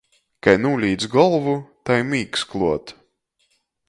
Kai nūlīc golvu, tai mīgs kluot.